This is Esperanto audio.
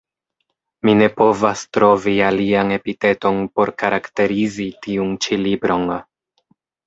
Mi ne povas trovi alian epiteton por karakterizi tiun ĉi libron.